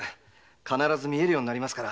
必ず見えるようになりますから。